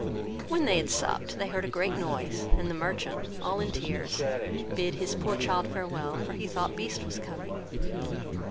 When they had supped, they heard a great noise, and the merchant, all in tears, bid his poor child farewell, for he thought Beast was coming.